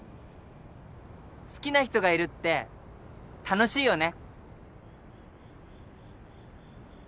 好きな人がいるって楽しいよね。